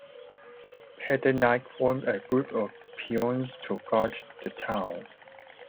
Pedda Naik formed a group of peons to guard the town.